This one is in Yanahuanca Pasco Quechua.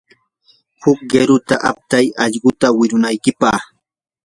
huk qiruta aptay allquta wirunaykipaq.